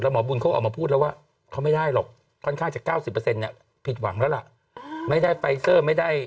หมอก็บอกว่าให้พยายามแบบปล่อยวางอะไรอย่างนี้